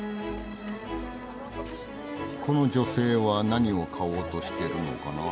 この女性は何を買おうとしてるのかな？